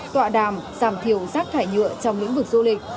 tọa đàm giảm thiểu rác thải nhựa trong lĩnh vực du lịch